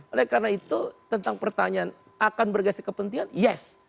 oleh karena itu tentang pertanyaan akan bergaya sekepentingan yes